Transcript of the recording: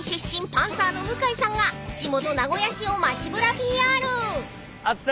パンサーの向井さんが地元名古屋市を街ぶらＰＲ］